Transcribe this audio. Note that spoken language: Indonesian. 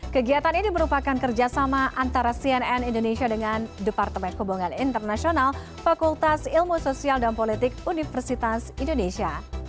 kegiatan ini merupakan kerjasama antara cnn indonesia dengan departemen hubungan internasional fakultas ilmu sosial dan politik universitas indonesia